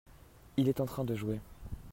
il est en train de jouer.